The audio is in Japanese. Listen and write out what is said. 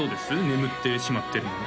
眠ってしまってるもの